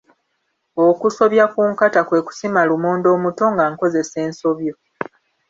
Okusobya ku nkata kwe kusima lumonde omuto nga nkozesa ensobyo.